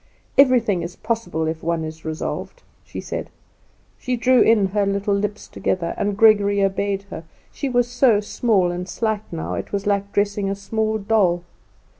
Everything is possible if one is resolved," she said. She drew in her little lips together, and Gregory obeyed her; she was so small and slight now it was like dressing a small doll.